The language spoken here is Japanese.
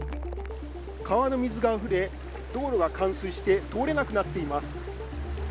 川の水があふれ道路が冠水して、通れなくなっています。